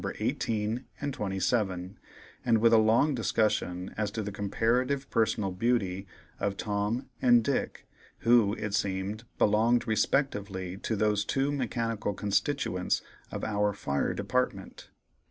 18 and 27, and with a long discussion as to the comparative personal beauty of "Tom" and "Dick," who, it seemed, belonged respectively to those two mechanical constituents of our Fire Department.